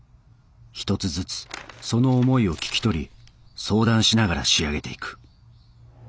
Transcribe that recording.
一つずつその思いを聞き取り相談しながら仕上げていく。